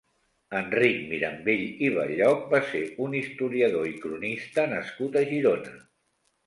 Enric Mirambell i Belloc va ser un historiador i cronista nascut a Girona.